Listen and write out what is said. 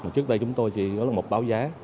trước đây chúng tôi chỉ có một báo giá